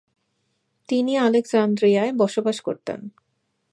তিনি আলেকজান্দ্রিয়ায় বসবাস করতেন।